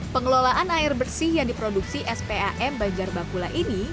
pengelolaan air bersih yang diproduksi spam banjar bakula ini